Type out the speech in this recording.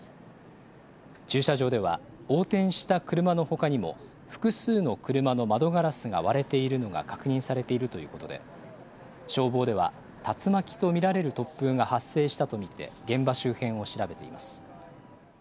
駐車場では、横転した車のほかにも複数の車の窓ガラスが割れているのが確認されているということで、消防では竜巻と見られる突風が発生したと見て、現場周辺を調べています。